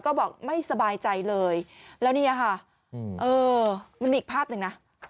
ก็บอกไม่สบายใจเลยแล้วเนี่ยค่ะเออมันมีอีกภาพหนึ่งนะ